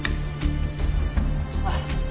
あっ。